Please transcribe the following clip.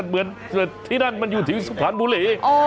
เหมือนท่านมันอยู่ที่สุพรันด์บุหรี่